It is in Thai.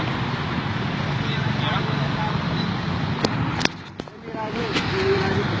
นี่ถึง๕ไก่เฝ่าแล้ว